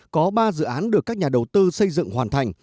có ba dự án được các nhà đầu tư xây dựng hoàn thành